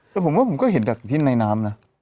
แต่ผมว่าผมก็เห็นจากที่ในน้ำนะ